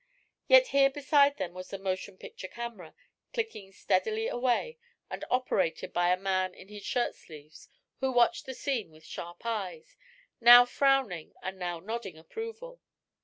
Yet here beside them was the motion picture camera, clicking steadily away and operated by a man in his shirt sleeves who watched the scene with sharp eyes, now frowning and now nodding approval.